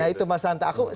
nah itu mas muldo